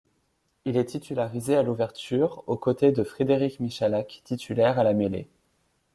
Il est titularisé à l'ouverture au côté de Frédéric Michalak, titulaire à la mêlée.